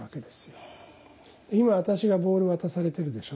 今私がボールを渡されてるでしょ。